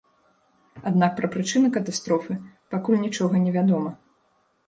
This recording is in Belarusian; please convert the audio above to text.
Аднак пра прычыны катастрофы пакуль нічога невядома.